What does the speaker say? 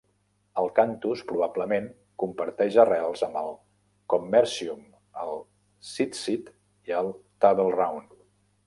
El cantus probablement comparteix arrels amb el commercium, el sitsit i el tableround.